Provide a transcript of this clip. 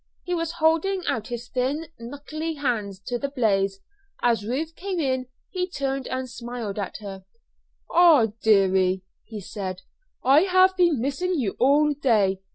He was holding out his thin, knuckly hands to the blaze. As Ruth came in he turned and smiled at her. "Ah, deary!" he said, "I have been missing you all day.